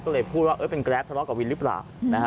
ก็เลยพูดว่าเป็นแกรปทะเลาะกับวินหรือเปล่า